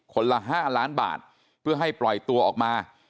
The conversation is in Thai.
คนละ๕ล้านบาทเพื่อให้ปล่อยตัวออกมา